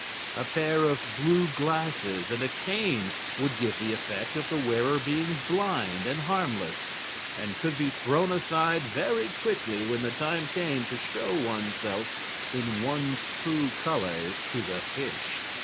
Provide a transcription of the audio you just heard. A pair of blue glasses and a cane would give the effect of the wearer being blind and harmless, and could be thrown aside very quickly when the time came to show one's self in one's true colors to the fish.